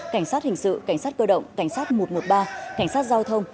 cảnh sát hình sự cảnh sát cơ động cảnh sát một trăm một mươi ba cảnh sát giao thông